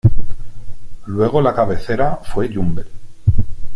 Luego la cabecera fue Yumbel.